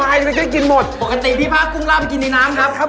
ไอ้กินหมดปกติพี่พากุ้งลาไปกินดิน้ำครับครับผม